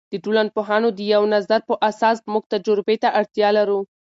د ټولنپوهانو د یوه نظر په اساس موږ تجربې ته اړتیا لرو.